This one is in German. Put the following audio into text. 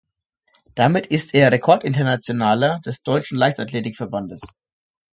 Damit ist er Rekord-Internationaler des Deutschen Leichtathletik-Verbandes.